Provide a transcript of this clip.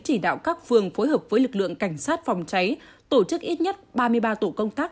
chỉ đạo các phường phối hợp với lực lượng cảnh sát phòng cháy tổ chức ít nhất ba mươi ba tổ công tác